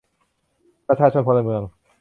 ประชาชนพลเมือง